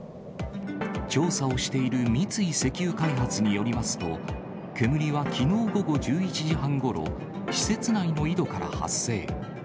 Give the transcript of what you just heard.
調査をしている三井石油開発によりますと、煙はきのう午後１１時半ごろ、施設内の井戸から発生。